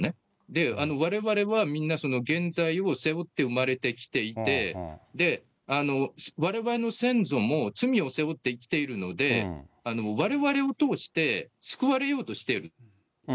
霊、われわれはみんな原罪を背負って生きてきていて、われわれの先祖も罪を背負ってきているので、われわれを通して救われようとしていると。